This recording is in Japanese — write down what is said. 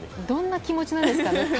どんな気持ちなんですかね。